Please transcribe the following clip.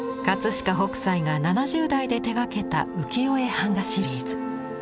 飾北斎が７０代で手がけた浮世絵版画シリーズ。